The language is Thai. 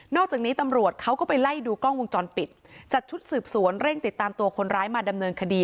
จากนี้ตำรวจเขาก็ไปไล่ดูกล้องวงจรปิดจัดชุดสืบสวนเร่งติดตามตัวคนร้ายมาดำเนินคดี